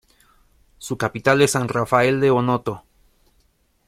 Su capital es San Rafael de Onoto.